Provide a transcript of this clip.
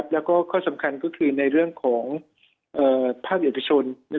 แล้วก็ข้อสำคัญก็คือในเรื่องของภาคเอกชน